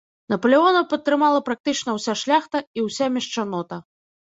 Напалеона падтрымала практычна ўся шляхта і ўся мешчанота.